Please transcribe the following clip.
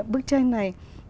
bức tranh này